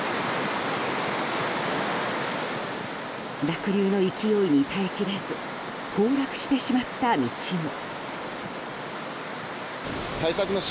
濁流の勢いに耐え切れず崩落してしまった道も。